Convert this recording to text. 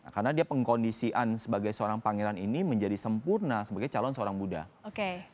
karena dia pengkondisian sebagai seorang pangeran ini menjadi sempurna sebagai calon seorang buddha